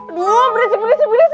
aduh berisik berisik berisik